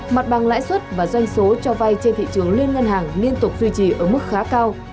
mặt bằng lãi suất và doanh số cho vay trên thị trường liên ngân hàng liên tục duy trì ở mức khá cao